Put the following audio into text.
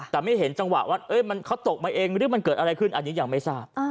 แต่ไม่เห็นจังหวะว่าเขาตกมาเองหรือมันเกิดอะไรขึ้นอันนี้ยังไม่ทราบ